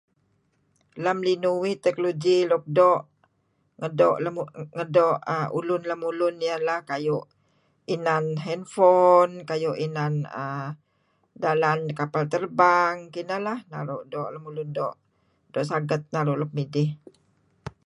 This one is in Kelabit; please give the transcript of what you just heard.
Lem linuh uih teklogi luk doo' , ngedoo', lemu... ngedoo' aaa... ulun lemulun ieh leh kau' inan hand phone, kayu' inan aaa... dalan kapal terbang. Kineh leh. Naru' lemulun doo'. Doo' saget naru' nuk midih.